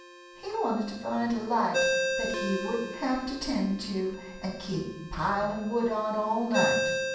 He wanted to find a light that he wouldn't have to 'tend to and keep piling wood on all night.